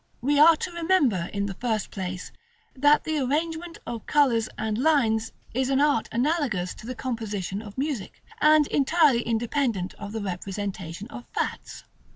§ XLII. We are to remember, in the first place, that the arrangement of colors and lines is an art analogous to the composition of music, and entirely independent of the representation of facts.